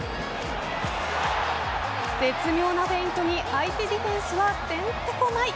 絶妙なフェイントに相手ディフェンスはてんてこまい。